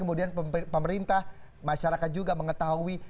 kemudian pemerintah masyarakat juga mengetahui